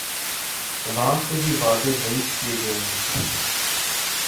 وہاں سے بھی وعدے وعید کیے گئے ہیں۔